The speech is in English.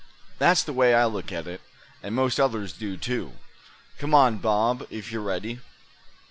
That's the way I look at it; and most others do too. Come on, Bob, if you're ready."